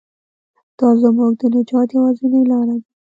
دا زموږ د نجات یوازینۍ لاره ده.